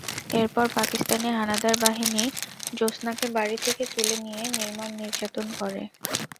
এরপর পাকিস্তানি হানাদার বাহিনী জোসনাকে বাড়ি থেকে তুলে নিয়ে নির্মম নির্যাতন করে।